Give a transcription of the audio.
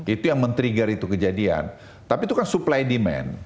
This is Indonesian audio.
itu yang men trigger itu kejadian tapi itu kan supply demand